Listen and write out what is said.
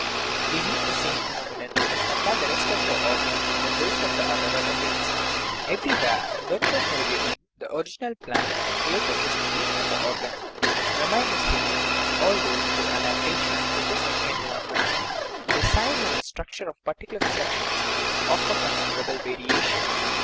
We meet the same phenomenon when we compare the rest of our organs with those of the other verte brates ; everywhere, in virtue of heredity, the original plan and the relative distribution of the organs remain the same, although, through adaptation to different environments, the size and the structure of particular sections offer considerable variation.